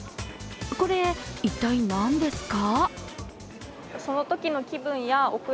これ、一体何ですか？